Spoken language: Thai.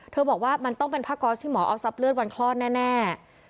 บอกว่ามันต้องเป็นผ้าก๊อสที่หมอเอาซับเลือดวันคลอดแน่